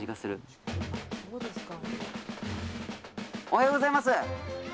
おはようございます。